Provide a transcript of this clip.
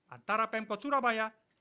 antara pemkot surabaya dan kementerian kesehatan